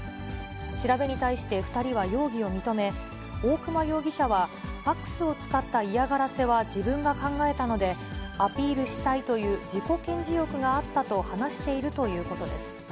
調べに対して２人は容疑を認め、大熊容疑者は、ファックスを使った嫌がらせは自分が考えたので、アピールしたいという自己顕示欲があったと話しているということです。